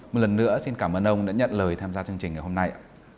một lần nữa xin cảm ơn ông đã nhận lời tham gia chương trình ngày hôm nay ạ